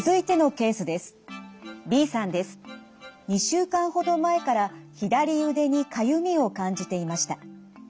２週間ほど前から左腕にかゆみを感じていました。